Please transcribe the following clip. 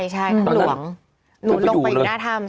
ใช่ถ้ำหลวงหนูลงไปอยู่หน้าถ้ำ